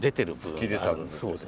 突き出てるんですね。